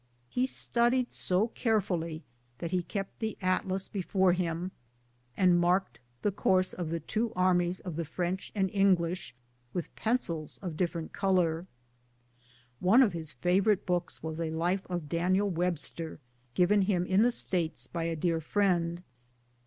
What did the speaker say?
He studied so care fully that he kept the atlas before him, and marked the course of the two armies of the French and English with pencils of different color. One of his favorite books was a life of Daniel Webster, given him in the States by a dear friend.